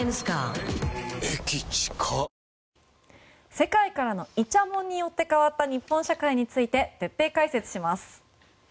世界からのイチャモンによって変わった日本社会について徹底解説します。